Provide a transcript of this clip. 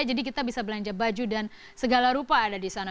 jadi kita bisa belanja baju dan segala rupa ada di sana